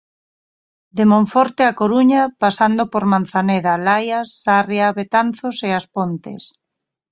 De Monforte á Coruña pasando por Manzaneda, Laias, Sarria, Betanzos e As Pontes.